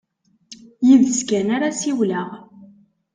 Yid-s kan ara ssiwleɣ.